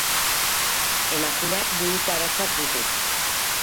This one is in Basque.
Emakumeak buruko arazoak ditu.